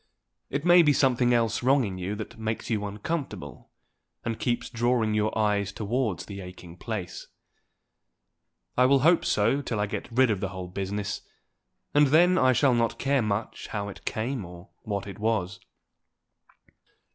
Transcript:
It may be something else wrong in you that makes you uncomfortable, and keeps drawing your eyes towards the aching place. I will hope so till I get rid of the whole business, and then I shall not care much how it came or what it was.